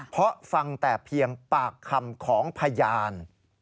เพราะฟังแต่เพียงปากคำของพยาน